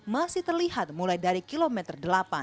masih terlihat mulai dari kilometer delapan